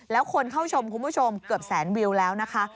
แล้วคนเข้าชมคุณผู้ชมเกือบแสนวิวแล้วนะคะ